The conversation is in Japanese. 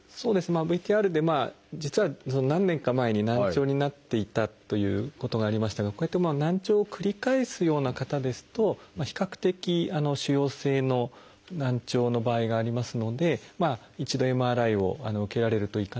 ＶＴＲで実は何年か前に難聴になっていたということがありましたがこういった難聴を繰り返すような方ですと比較的腫瘍性の難聴の場合がありますので一度ＭＲＩを受けられるといいかなと。